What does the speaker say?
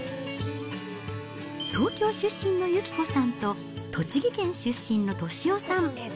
東京出身の幸子さんと、栃木県出身の俊雄さん。